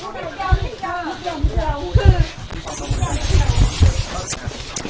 เรื่องที่เสิร์ฟคืออะไรให้ฮ่าเชียร์เค้าได้